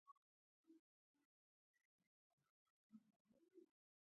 ازادي راډیو د د ماشومانو حقونه په اړه پراخ بحثونه جوړ کړي.